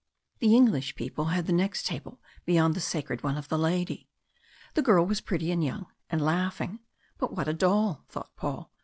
The English people had the next table beyond the sacred one of the lady. The girl was pretty and young, and laughing. But what a doll! thought Paul.